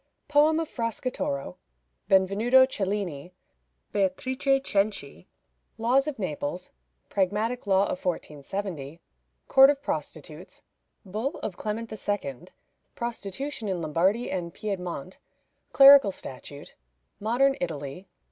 Poem of Fracastoro. Benvenuto Cellini. Beatrice Cenci. Laws of Naples. Pragmatic Law of 1470. Court of Prostitutes. Bull of Clement II. Prostitution in Lombardy and Piedmont. Clerical Statute. Modern Italy.